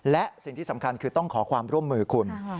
และสิ่งที่สำคัญคือต้องขอความร่วมมือคุณ